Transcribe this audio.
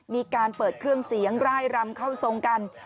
มีการเปิดเครื่องเสียงร่ายรำเข้าทรงกัน